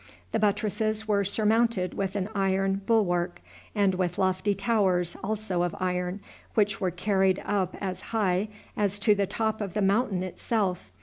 The buttresses were surmounted with an iron bulwark, and with lofty towers also of iron, which were carried up as high as to the top of the mountain itself.